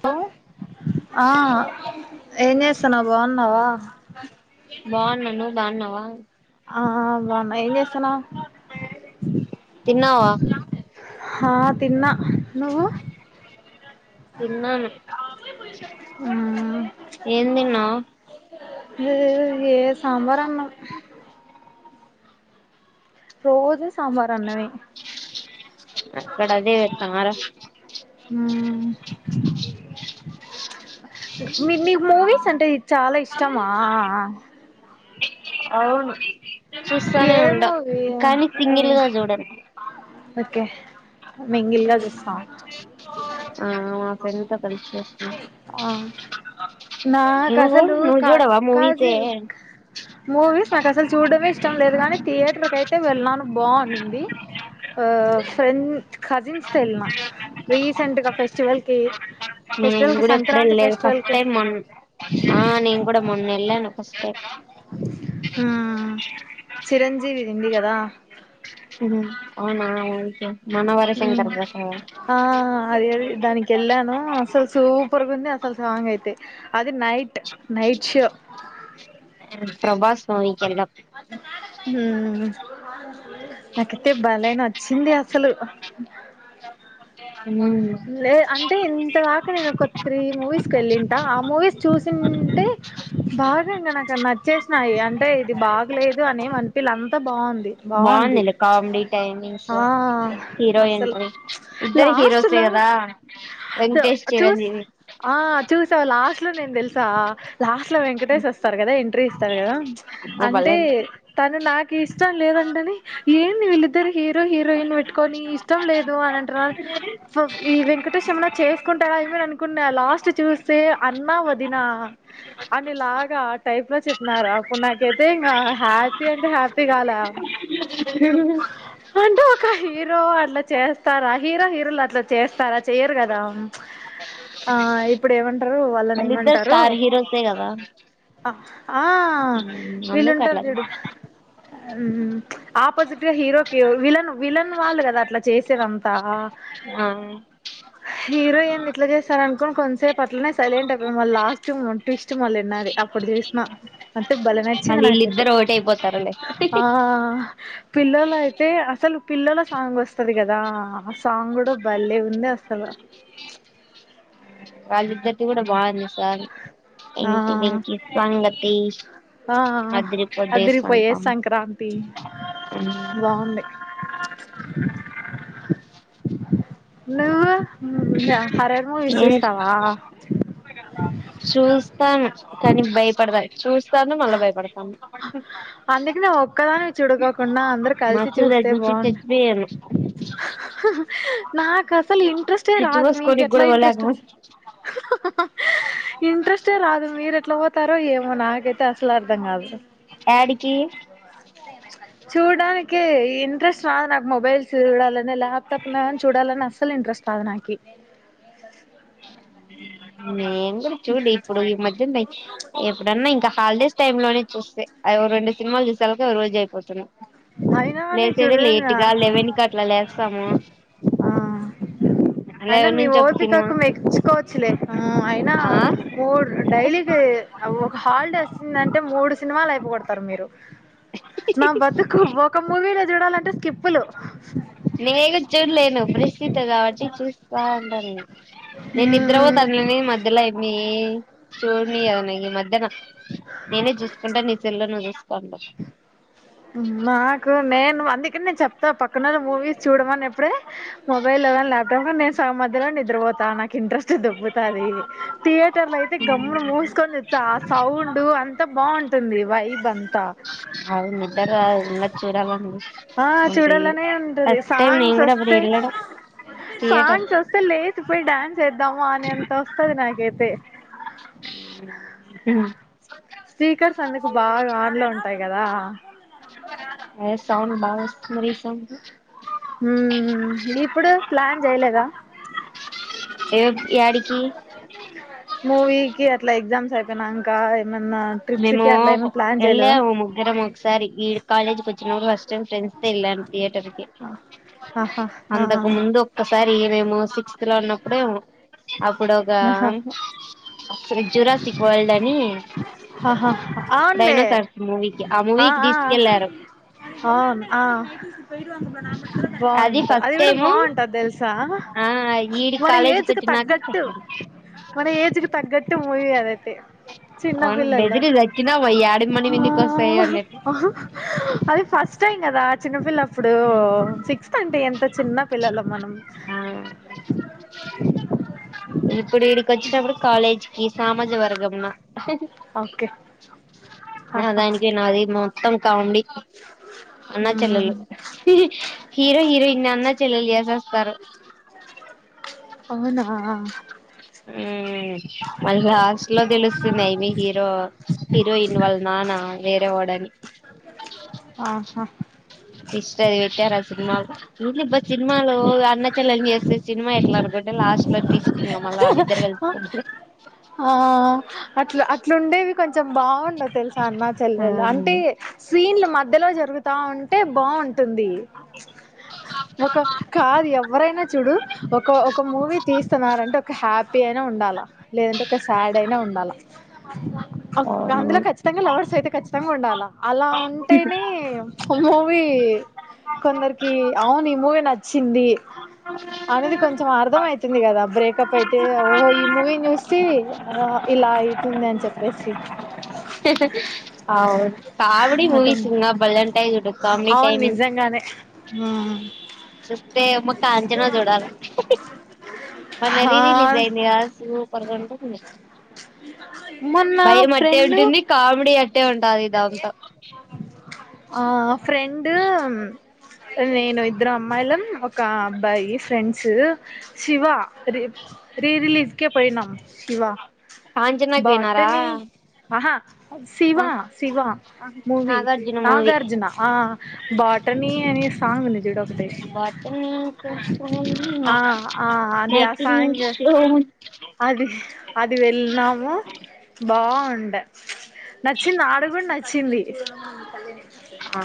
Hello ఆ ఏం చెత్తనావ్ బాగున్నావా బాగున్నా నువ్వు బాగున్నావా ఆ బాగున్నా ఏం చెత్తనావ్ అ ఆ తిన్నా నువ్వు తిన్నాను హుమ్ ఏం తిన్నావ్ ఏ సాంబార్ అన్నం రోజు సాంబార్ అన్నమే అక్కడ అదే పెట్టారా హుమ్ మి మీక్ మూవీస్ అంటే చాలా ఇష్ ఇష్టమా అవును చూస్తానే ఏ ఉండ మూవీ కానీ సింగిల్గా చూడను ఓకే మింగిల్గా చూస్తాం ఆ మా పెన్ త ఆ నా నువ్వు కసలు నువ్వు కా చూడవా కాల్ జి మూవీసే మూవీస్ నాకు అసలు చూడమే ఇష్టం లేదు కానీ థియేటర్కి అయితే వెళ్ళిన బావున్నిది ఫ్రెండ్ కజిన్స్తో ఎళ్ళిన రీసెంట్గా ఫెస్టివల్కి నేను ఫెస్టివల్కి కూడా ఎప్పుడు ఎల్ సంక్రాంతి లేదు ఫస్ట్ ఫెస్టివల్కి టైమ్ మొన్న ఆ నేను కూడా మొన్న ఎళ్ళాను వస్తే హుమ్ చిరంజీవి ఉంది కదా ఉహు, అవునా ఓకే మనవర శంకర హుమ్ ప్రసాద్ ఆ అది అది దానికెళ్ళాను అసలు సూపర్ గుంది అసలు సాంగ్ అయితే అది నైట్ నైట్ షో ప్రభాస్ మూవీకి వెళ్ళాం హుమ్ నాకైతే భలే నచ్చింది అసలు ఉమ్ లే అంటే ఇంత దాకా నేను ఒక త్రీ మూవీస్కి ఎళ్ళింటా ఆ మూవీస్ చూసింటే బాగా ఇంక ఆడ నచ్చేసినాయి. అంటే ఇది బాగలేదు అనే అనిపిల అంత బాగుంది. బాగుంది బాగుందిలే కామెడీ టైమింగ్స్ ఆ హీరో అసలు ఎంట్రీ ఇద్దరు లాస్ట్ హీరోస్ తే లో కదా వెంకటేష్ చిరంజీవి చూసావా లాస్ట్ లో నేను తెలుసా లాస్ట్ లో వెంకటేష్ వస్తారు కదా. ఎంట్రీ ఇస్తారు కదా ప్చ్ అబ్బో భలే అంటే ఉంటది తను నా నాకు ఇష్టం లేదంటేని ఏంటి వీళ్ళిద్దరు హీరో హీరోయిన్ పెట్టుకొని ఇష్టం లేదు అని అంటారు. ఈ వెంకటేశమలా చేసుకుంటాడా ఏమని అనుకున్నా లాస్ట్ చూస్తే అన్నా వదిన అనిలాగా టైప్ లో చెప్పినారా అప్పుడు నాకైతే ఇంకా హ్యాపీ అంటే హ్యాపీ కాలా [unintelligible] అంటే ఒక హీరో అట్లా చేస్తారా హీరో హీరోలు ఇట్లా చేస్తారా చేయరు కదా ఆ ఇప్పుడు ఏమ అళిద్దరు స్టార్ హీరోసే గద ఆ వీళ్ళుంటారు చూడు ఆపోజిట్ గా హీరోకి విలన్ విలన్ వాళ్ళు కదా అట్లా చేసేదంతా ఆ హీరో ఏన్ని ఇట్లా చేస్తారు అనుకోని కొంచం సేపు అట్లనే సైలెంట్ అయి మళ్ళీ లాస్ట్ ట్విస్ట్ మళ్ళీ విన్నన్నారు అప్పుడు చేసినమా అటి బలమెచ్చింద మళ్ళీ నాకుపోతే వీళ్ళిద్దరు ఒకటైపోతారులే ఆ పిల్లల అయితే అసలు పిల్లల సాంగ్ వస్తుది కదా ఆ సాంగ్ కూడా బాల్లే ఉంది అసలా కళ్లి ఇద్దరు త కూడా బాన్నా సార్ ఆ ఏంటింటి వెంకి సంగతి ఆ అదిరిపోద్దే సాంగ్ అదిరిపోయే పాపం సంక్రాంతి బాగుంది నువ్ హారర్ మూవీస్ నేను చూస్తావా చూస్తాను కానీ భయపడదా చూస్తాను మళ్ళా భయపడతాను అందుకే నువ్వు ఒక్కదానివి చూడకోకుండా అందరు కలిసి మస్ చూస్తే రజనీ బాగుండు చెట్వియను టె రాదు మీకు ఎట్లా ఇంట్రెస్ట్ ఇంట్రెస్టే రాదు మీరు ఎట్లా పోతారో ఏమో నాక అసల్ అర్థం కాదు యాడికి చూడడానికి ఇంట్రెస్ట్ రాదు నాకు మొబైల్స్ చూడాలని ల్యాప్టాప్ కాని చూడాలని అస్సలు ఇంట్రెస్ట్ రాదు నాకు ఆ నేను కూడా చూడి ఇప్పుడు ఈ మధ్య ఎప్పుడన్నా ఇంకా హాలిడేస్ టైమ్ లోనే చూస్తే రెండు సినిమాలు చూసాక ఒక రోజు అయిపోతుంది అయినా కానీ లేసేది చూడు లేట్గా లెవెన్ కి అట్లా లేస్తాము ఆ లెవెన్ నుంచి తిన్ను తీకోవచ్చులే అయినా మూడు డైలీకి ఒక హాలిడే వచ్చిందంటే మూడు సినిమాలు అయిపో కొడతారు మీరు నా బతుకు ఒక మూవీలో చూడాలంటే కిప్పులు నేనే కూడా చూడలేను పరిస్థితి కాబట్టి చూస్తా ఉంటారు నేను నిద్ద్ర పో తనులిని మధ్యలో ఇమి చూడని అవన ఈ మధ్యన నేనే చూసుకుంటా నీ చెల్లోను చూసుకోం పక్కన మూవీస్ చూడ అని ఎప్పుడే మొబైల్ లో కానీ లాప్టాప్ లో కానీ త నాక్ ఇంట్రెస్ట్ దొబ్బుతాది థియేటర్లో అయితే ఉమ్ గమ్మున మూస్కొని చూస్తా ఆ సౌండ్ అంతా బాగుంటుంది వైబ్ అంతా అది నిద్ర రాదు ఉన్నది చూడాలని ఉంటది చూడలనే ఉంటది ఫస్ట్ టైం నేను సాంగ్స్ కూడా అప్పుడు అస్తే వెళ్ళడం థియేటర్ సాంగ్స్ అస్తే లేస్ పోయి డాన్స్ చేద్దామా అనే అంత వస్తది నాకైతే స్పీకర్స్ అందుకు బాగా ఆన్లో ఉంటాయి కదా మా హ్మ్ ఇప్పుడు ప్లాన్ చేయలేదా ఏ యాడికి మూవీకిి అట్లా ఎగ్జామ్స్ అయిపోయినంకా మేము ఎళ్ళాము ముగ్గరం ఒకసారి ఈడు కాలేజ్కి వచ్చినప్పుడు ఫస్ట్ టైం ఫ్రెండ్స్తో ఎళ్ళాను థియేటర్కి ఆహా ఆ అంతకు ముందు ఒక్కసారి మేము సిక్స్ లో ఉన్నప్పుడేమో అప్పుడు ఒక ఆహా [unintelligible] ఆహా అవున్లే డైనోసార్స్ మూవీకి ఆ మూవీకి ఆ తీసుకెళ్లారు అవున్ ఆ బాగుంటది అది ఫస్ట్ గుడా టైము బాగుంటద్ తెల్సా ఆ ఈడి మన కాలేజీకి ఏజ్కి వచ్చినాక తగ్గట్టు సెకండ్ మన ఏజ్కి తగ్గట్టు మూవీ అదైతే చిన్న అవును పిల్లలు బెదిరి దక్కినా వయ్యాడి మనీ విందుకి వస్తాయి ఆ అన్నట్టు అది ఫస్ట్ టైం కదా చిన్నపిల్ ప్పుడు సిక్స్త్ అంటే ఎంత చిన్న పిల్లలం మనం ఆ ఇ ఇప్పుడ్ ఈడికోచ్చినప్పుడు కాలేజ్కి సామజ వర్గంనా ఓకే [inaudible] అదా ఆహా ఎనికి అది తంకా ఉండి అన్న చెల్లలు హీరో హీరోయిన్ని అన్న చెల్లెలు చేసేస్తారు అవునా హ్ మల్ లాస్ట్లో తెలుస్తుంనయి మీ హీరో హీరోయిన్ వాల్ నాన్న వేరే ఒడని ఆహా ఇష్టది ట్టారా సినిమాలు ఇ సినిమాలు అన్న చెల్లని చేస్త సినిమా ఎట్లా అడకుంటే లాస్ట్ లో తంగ మల్ళ వాళ్ళిద్దరిళ్ కు ఆ అట్లా అట్లుండేవి కొంచెం బాగుండ తెలుసా అమా ఆ చెల్లెలో అంటే సీన్ల మధ్య మధ్యలో జరుగుతా ఉంటే బాగుంటుంది ఒక కాదు ఎవరైనా చుడు ఒక ఒక మూవీ తీస్తున్నారంటే ఒక హ్యాపీ అయినా ఉండాల లేదంటే ఒక శాడ్ అయినా ఉండాలి అవును అందులో ఖచ్చితంగా లెవర్స్ అయితే కచ్చతంగా ఉండాలా అలా ఉంటేనే మూవీ కొందరికి అవును ఈ మూవీ నచ్చింది అనేది కొంచెం అర్థం అయితుంది కదా బ్రేకప్ అయితే ఓహో ఈ మూవీ న్యూస్ చ్చి ఇలా అయితుంది అని చెప్పేసి అవు కాబడీ అటు మూవిస్న్నా బల్లన్ టైస్డు కామె టైమింగ్ హ స మ కంచనా జడాల మన ఆ రిరిిలీజ్ అయింది రాంట మొన్న భయం అట్టే ఫ్రెండ్ ఉంటుంది కామెడీ అట్టే ఉంటుంది దాంతో ఆ ఫ్రెం నేను ఇద్దరు అమ్మాయిల ఒక అబ్బాయి ఫ్రెండ్స్ శివ ర రీ రిలీజ్కే పోయినా కివా కాంచనాకి పోయినారా బాటని ఆహా ఆ శివా శివా మూవీ నాగార్జున మూవీ నాగార్జున ఆ బాటనీ అని సాంగనే జడ ఆ ఆ అది ఆ సాంగ్ బత అది అది వెళ్ళినాము బాగుండ నచ్చింది ఆడు కూడా నచ్చింది అది ఆ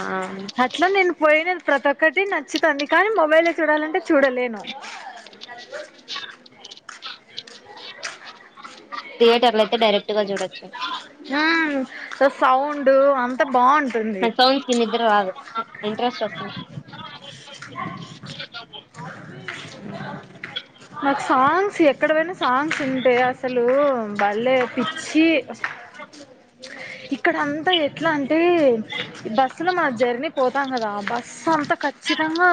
అట్లా నేను పోయినది ప్రతి ఒక్కటి నచ్చుతుంది కానీ మొబైల్లో చూడాలంటే చూడలేను థియేటర్ల అయితే డైరెక్ట్ గా చూడొచ్చు సౌ ఉండు అంత బాగుంటుంది నాకు సౌండ్స్ కి నిద్ర రాదు ఇంట్రెస్ట్ వస్తుంది నాకు సాంగ్స్ ఎక్కడ పోైనా సాంగ్స్ ఉంటే అసలు వాళ్ళే పిచ్చి ఇక్కడ అంతా ఎట్లా అంటే బస్సులో మన జర్నీ పోతాం కదా బస్సు అంతా ఖచ్చితంగా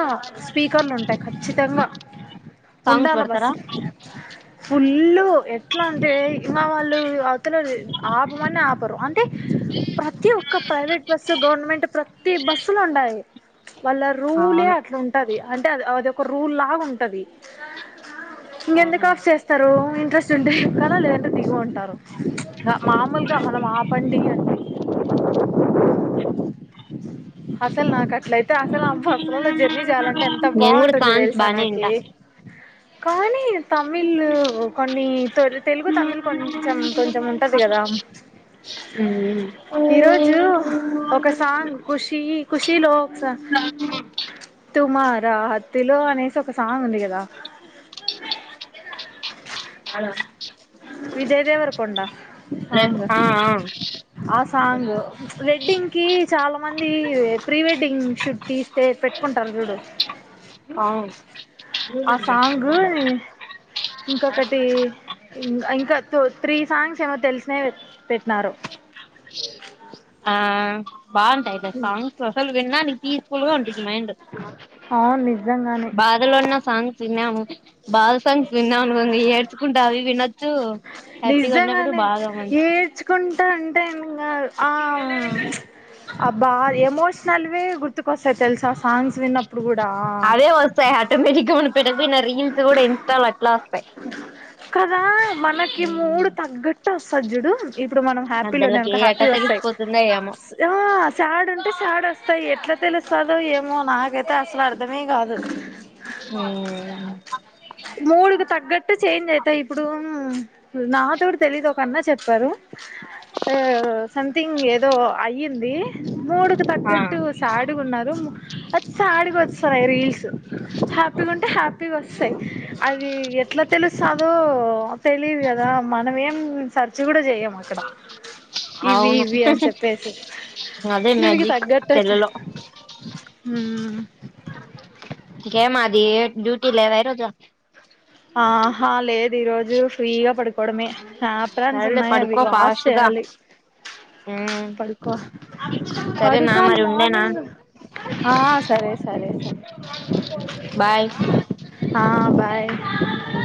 స్పీకర్లు ఉంటాయి ఖచ్చితంగా సాంగ్స్ ఉండాల పెడతారా బస్సుకి ఫుల్ ఎట్లా అంటే ఇంకా వాళ్ళు అవతలే ఆపమని ఆపరు అంటే ప్రతి ఒక్క ప్రైవేట్ బస్సు గవర్నమెంట్ ప్రతి బస్సులో ఉండయి వాళ్ళ రూలే అవును అట్లా ఉంటది అంటే అ అది ఒక రూల్ లాగా ఉంటది ఇంకెందుకు ఆఫ్ చేస్తారు ఇంట్రెస్ట్ ఉంటే ఎక్కాల లేదు అంటే దిగు మామూలుగా మన మా అండి అండి అసలు నాకు అట్లయితే అసలు ఆ బస్సులలో జర్నీ చేయాలంటే ఎంత నేను కూడా బాగుంటుంది సాంగ్స్ తెలుసా బానే నాకి వింటా కానీ తమిళ కొన్ని తెలుగు తమిళ కొంచెం కొంచెం ఉంటది కదా ఉమ్ ఈరోజు ఒక సాంగ్ కుషీ కుషి లో ఒక సాంగ్ తుమార్ హత్తిలో అనేసి ఒక సాంగ్ ఉంది కదా హలో విజయ్ దేవర కొండా సాంగ్ ఆ ఆ ఆ సాంగ్ వెడ్డింగ్ కి చాలా మంది ప్రీ వెడ్డింగ్ షూట్ తీస్తే పెట్టుకుంటారు చూడు అవును. ఆ సాంగ్ ఇంకొకటి ఇంకా త త్రీ సాంగ్స్ ఏమో తెలిసిన పెట్టిన ఆ బాగుంటాయి సాంగ్స్ అసలు విన్నా నీ పీస్ఫుల్ గా ఉంటుంది మైండ్ అవును నిజంగానే బాధలు ఉన్న సాంగ్స్ విన్నాము బాధ సాంగ్స్ విన్నాం అనుకుంది ఏడ్చుకుంటా అవి వినొచ్చు హ్యాపీగా ఉన్నప్పుడు నిజంగానే బాగా మంచి ఏడ్చుకుంటా అంటే ఇంకా ఆ బాగా ఎమోషనల్వే గుర్తుకొస్తాయి తెలుసా ఆ సాంగ్స్ విన్నప్పు అదే వస్తాయి ఆటోమేటిక్గా రీల్స్ కూడా ఇన్స్టా లో అట్లా వస్తాయి కదా మనకి మూడు తగ్గట్టు వస్తది జుడు ఇప్పుడు మనం హ్యాపీలో అద్దలకి ఉన్నామనుకో ఏ అట హ్యాపీ వస్తాయి తెలిసిపోతుందో ఏమో ఆ సాడ్ ఉంటే సాడ్ వస్తాయి ఎట్లా తెలుస్తుందో ఏమో నాకైతే అసలు అర్ధమే కాదు ఉమ్ అట్ట చేంజ్ అయి తాయి ఇప్పుడు నాతోడు తెలిదు ఒక అన్నా చెప్పారు సంథింగ్ ఏదో అయ్యింది మూడుకి ఆ తగ్గట్టు సాడ్ గా ఉన్నారు అచ్చ అడిగు వచ్చ సార రీల్స్ హ్యాపీగా ఉంటే హ్యాపీ పీగ స అది ఎ తెలుస్సాదో తెలిదు కదా మనమ ఏం సర్చి కూడా చెయ్యము అక్కడ ఇవి అవును ఇవి అని చెప్పేసి అదే దానికి మ్యాజిక్ తగ్గట్టు అతే సెల్లులో గ మాది డ్యూటీ లేవా ఈరోజు ఆహా లేదు ఈరోజు ఫ్రీగా పడుకోవడమే ఆప్రాన్స్ సరేలే ఉన్నాయి అవి పడుకో వాష్ ఫాస్ట్ గా చేయాలి పడుకోల సరేనా పడుకోలి మరి ఉండేనా మార్నింగ్ ఆ సరే సరే లే బాయ్ ఆ బాయ్ ఊ